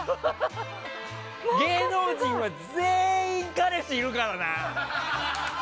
芸能人は全員彼氏いるからな！